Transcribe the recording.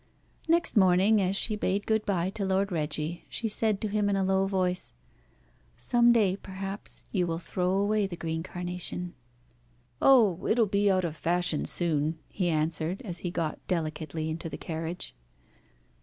Next morning as she bade good bye to Lord Reggie, she said to him in a low voice "Some day, perhaps, you will throw away the green carnation." "Oh! it will be out of fashion soon," he answered, as he got delicately into the carriage.